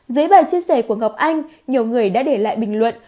dưới bài chia sẻ của ngọc anh nhiều người đã để lại bình luận